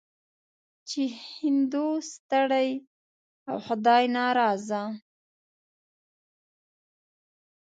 چې هندو ستړی او خدای ناراضه.